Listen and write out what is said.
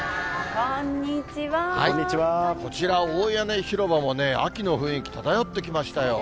こちら、大屋根広場もね、秋の雰囲気漂ってきましたよ。